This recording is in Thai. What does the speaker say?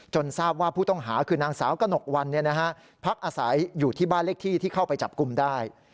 ทราบว่าผู้ต้องหาคือนางสาวกระหนกวันพักอาศัยอยู่ที่บ้านเลขที่ที่เข้าไปจับกลุ่มได้